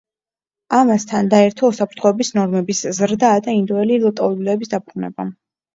ამას თან დაერთო უსაფრთხოების ნორმების ზრდა და ინდოელი ლტოლვილების დაბრუნება.